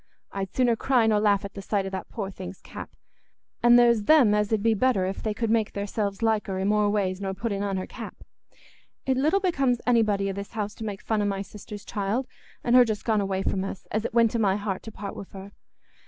I'd sooner cry nor laugh at the sight o' that poor thing's cap; and there's them as 'ud be better if they could make theirselves like her i' more ways nor putting on her cap. It little becomes anybody i' this house to make fun o' my sister's child, an' her just gone away from us, as it went to my heart to part wi' her.